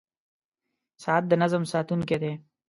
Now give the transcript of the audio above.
• ساعت د نظم ساتونکی دی.